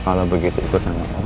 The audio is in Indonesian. kalau begitu ikut sama om